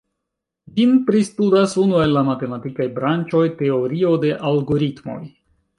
Ĝin pristudas unu el la matematikaj branĉoj: Teorio de Algoritmoj.